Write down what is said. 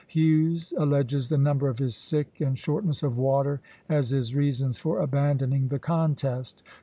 Hughes alleges the number of his sick and shortness of water as his reasons for abandoning the contest.